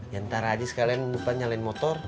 ya antara aja sekalian depan nyalain motor